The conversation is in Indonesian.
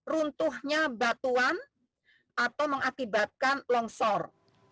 runtuhnya batuan atau mengakibatkan longsor